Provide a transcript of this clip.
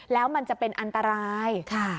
แล้วมันจะเป็นอันตราย